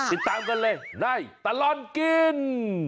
ติดตามกันเลยในตลอดกิน